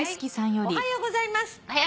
「おはようございます」